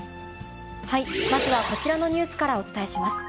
まずはこちらのニュースからお伝えします。